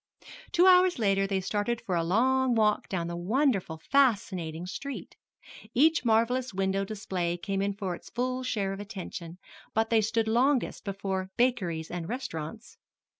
Two hours later they started for a long walk down the wonderful, fascinating street. Each marvelous window display came in for its full share of attention, but they stood longest before bakeries and restaurants.